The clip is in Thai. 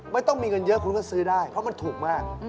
ไม่ต้องมีเงินเยอะคุณก็ซื้อได้เพราะมันถูกมาก